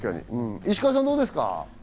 石川さん、どうですか？